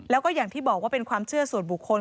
แล้วก็อย่างที่บอกว่าเป็นความเชื่อส่วนบุคคล